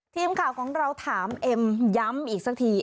ทีมข่าวของเราถามเอ็มย้ำอีกสักที